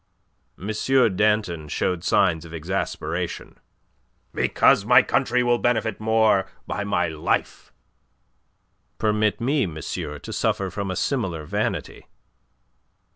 M. Danton showed signs of exasperation. "Because my country will benefit more by my life." "Permit me, monsieur, to suffer from a similar vanity."